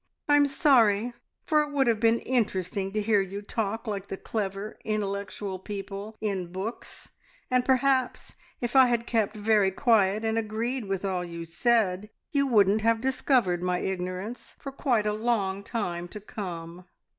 I'm sorry, for it would have been interesting to hear you talk like the clever, intellectual people in books, and perhaps, if I had kept very quiet and agreed with all you said, you wouldn't have discovered my ignorance for quite a long time to come."